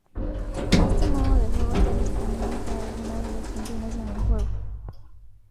Este modo de juego está disponible para algunas de las canciones en el juego.